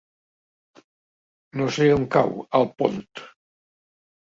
No sé on cau Alpont.